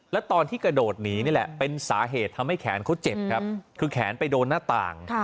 แล้วตอนที่กระโดดหนีนี่แหละเป็นสาเหตุทำให้แขนเขาเจ็บครับคือแขนไปโดนหน้าต่าง